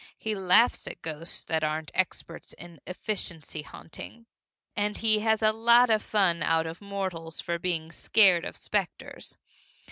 He laughs at ghosts that aren't experts in efficiency haunting, and he has a lot of fun out of mortals for being scared of specters.